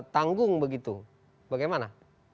tanggung begitu bagaimana